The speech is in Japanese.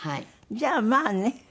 じゃあまあね。